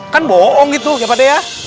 kan bohong gitu ya pak de ya